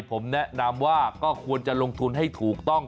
ผมแนะนำว่าก็ควรจะลงทุนให้ถูกต้อง